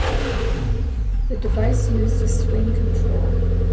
The device used a swing-control.